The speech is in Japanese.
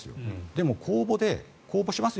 でも、公募で公募します